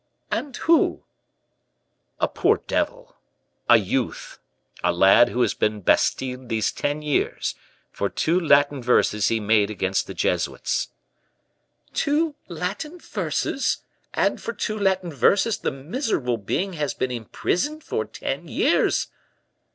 "And who?" "A poor devil a youth, a lad who has been Bastiled these ten years, for two Latin verses he made against the Jesuits." "'Two Latin verses!' and, for 'two Latin verses,' the miserable being has been in prison for ten years!"